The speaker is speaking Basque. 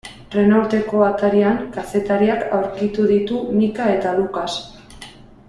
Renaulteko atarian kazetariak aurkitu ditu Micka eta Lucas.